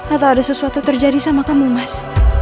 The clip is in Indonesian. atau ada sesuatu terjadi sama kamu mas